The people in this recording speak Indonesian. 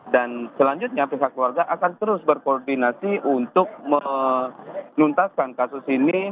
dan selanjutnya pihak keluarga akan terus berkoordinasi untuk menuntaskan kasus ini